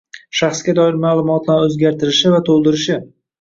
shaxsga doir ma’lumotlarni o‘zgartirishi va to‘ldirishi